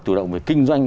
chủ động về kinh doanh